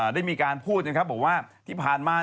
ได้มีการพูดนะครับบอกว่าที่ผ่านมา